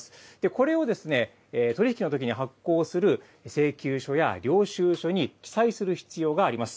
これを取り引きのときに発行する請求書や領収書に記載する必要があります。